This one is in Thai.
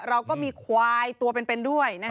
เราก็มีควายตัวเป็นด้วย